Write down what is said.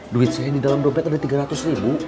duit sini di dalam dompet ada tiga ratus ribu